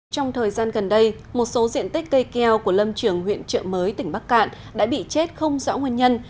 trong thời gian gần đây một số diện tích cây keo của lâm trường huyện trợ mới tỉnh bắc cạn đã bị chết không rõ nguyên nhân